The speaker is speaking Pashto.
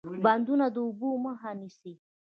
بندونه د اوبو مخه نیسي